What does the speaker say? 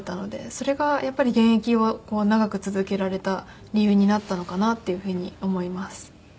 それがやっぱり現役を長く続けられた理由になったのかなっていうふうに思います。